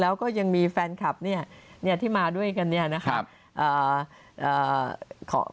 แล้วก็ยังมีแฟนคลับเนี่ยที่มาด้วยกันเนี่ยนะครับ